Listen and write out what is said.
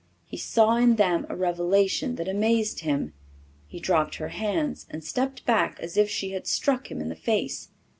He saw in them a revelation that amazed him; he dropped her hands and stepped back as if she had struck him in the face.